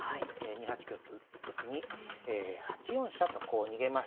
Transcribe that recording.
２八香と打ったときに８四飛車とこう逃げました。